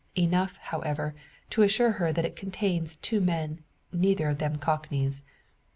Enough, however, to assure her that it contains two men, neither of them cockneys.